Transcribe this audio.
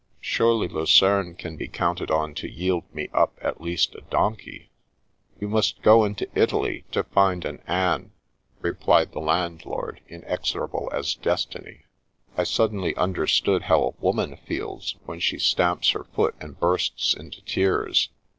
Surely, Lucerne can be counted on to yield me up at least a donkey ?"" You must go into Italy to find an anel' replied the landlord, inexorable as Destiny. I suddenly understood how a woman feels when she stamps her foot and bursts into tears.